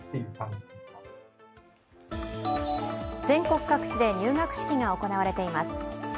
全国各地で入学式が行われています。